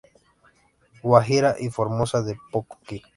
Guajira y Formosa de Pococí.